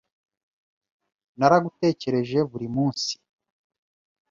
Naragutekereje buri munsi